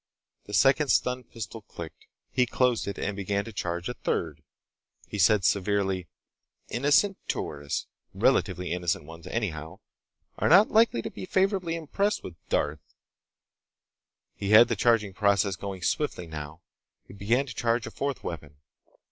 The second stun pistol clicked. He closed it and began to charge a third. He said severely: "Innocent tourists—relatively innocent ones, anyhow—are not likely to be favorably impressed with Darth!" He had the charging process going swiftly now. He began to charge a fourth weapon.